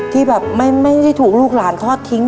ที่แบบไม่ได้ถูกลูกหลานทอดทิ้ง